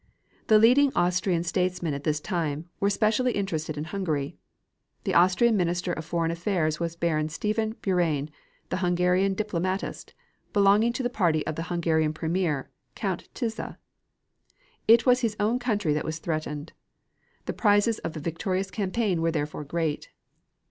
The leading Austrian statesmen, at this time, were especially interested in Hungary. The Austrian Minister of Foreign Affairs was Baron Stephen Burian, the Hungarian diplomatist, belonging to the party of the Hungarian Premier, Count Tisza. It was his own country that was threatened. The prizes of a victorious campaign were therefore great.